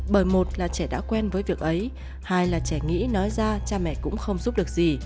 bởi một là trẻ đã quen với việc ấy hai là trẻ nghĩ nói ra cha mẹ cũng không giúp được gì